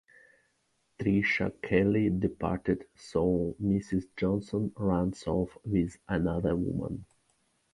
Tricia Kelly departed, so Mrs. Johnson runs off with another woman.